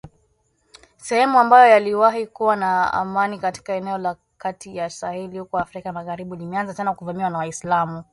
sehemu ambayo yaliwahi kuwa na amani katika eneo la kati ya Saheli huko Afrika magharibi limeanza tena kuvamiwa na waislamu